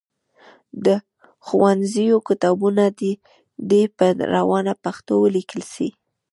د ښوونځیو کتابونه دي په روانه پښتو ولیکل سي.